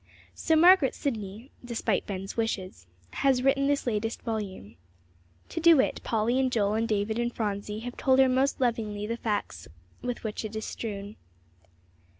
So Margaret Sidney, despite Ben's wishes, has written this latest volume. To do it, Polly and Joel and David and Phronsie have told her most lovingly the facts with which it is strewn.